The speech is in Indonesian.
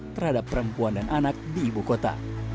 terhadap perempuan dan anak di ibu kota